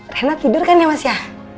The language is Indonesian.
renat tidur kan ya mas ya